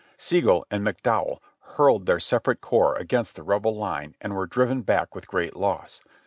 Sigel and McDowell hurled their separate corps against the Rebel line and were driven back with great loss.